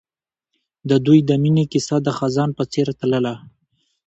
د دوی د مینې کیسه د خزان په څېر تلله.